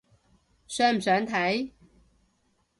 想唔想睇？